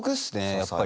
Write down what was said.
やっぱり。